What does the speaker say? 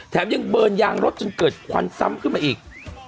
แถมยังเบิร์นยางรถจนเกิดควันซ้ำขึ้นมาอีก